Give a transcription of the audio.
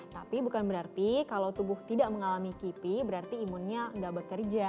tapi bukan berarti kalau tubuh tidak mengalami kipi berarti imunnya tidak bekerja